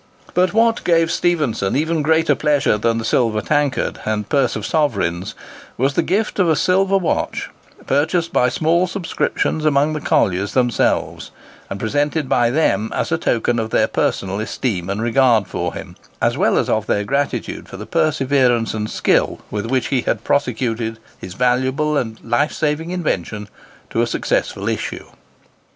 But what gave Stephenson even greater pleasure than the silver tankard and purse of sovereigns was the gift of a silver watch, purchased by small subscriptions amongst the colliers themselves, and presented by them as a token of their personal esteem and regard for him, as well as of their gratitude for the perseverance and skill with which he had prosecuted his valuable and lifesaving invention to a successful issue.